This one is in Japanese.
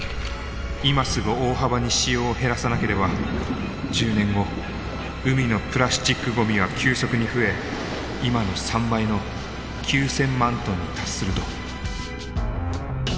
今すぐ大幅に使用を減らさなければ１０年後海のプラスチックごみは急速に増え今の３倍の９，０００万トンに達すると。